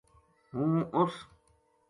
ہوں اس